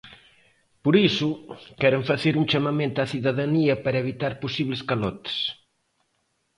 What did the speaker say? Por iso, queren facer un chamamento á cidadanía para evitar posibles calotes.